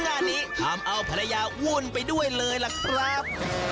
งานนี้ทำเอาภรรยาวุ่นไปด้วยเลยล่ะครับ